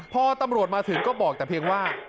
พอตำรวจมาถึงก็บอกแต่เพียงว่า